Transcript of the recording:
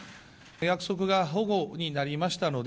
約束がほごになりましたので、